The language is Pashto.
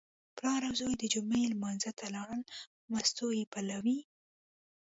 پلار او زوی د جمعې لمانځه ته لاړل، مستو یې پالوې.